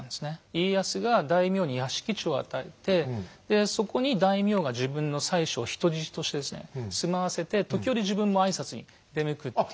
家康が大名に屋敷地を与えてでそこに大名が自分の妻子を人質として住まわせて時折自分も挨拶に出向くっていう。